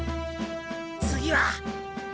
次は？